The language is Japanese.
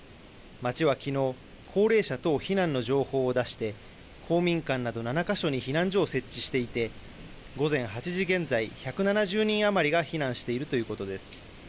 町はきのう、高齢者等避難の情報を出して公民館など７か所に避難所を設置していて午前８時現在、１７０人余りが避難しているということです。